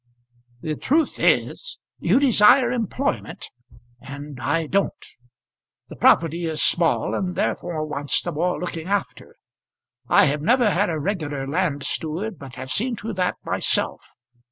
"The truth is, you desire employment, and I don't. The property is small, and therefore wants the more looking after. I have never had a regular land steward, but have seen to that myself.